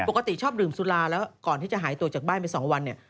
ปกติชอบดื่มสุราแล้วก่อนที่จะหายตัวจากบ้านไป๒วันเนี่ย